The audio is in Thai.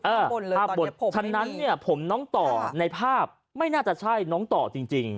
ภาพบนผมฉะนั้นเนี่ยผมน้องต่อในภาพไม่น่าจะใช่น้องต่อจริงจริง